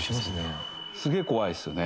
すげえ怖いですよね。